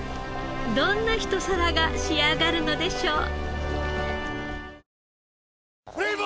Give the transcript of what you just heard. どんな一皿が仕上がるのでしょう？